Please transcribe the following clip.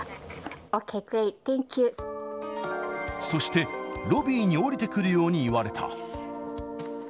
そして、ロビーに下りてくるように言われた。